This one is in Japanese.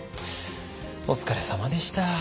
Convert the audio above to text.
お疲れさまでした。